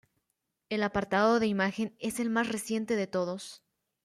El apartado de imagen es el más reciente de todos.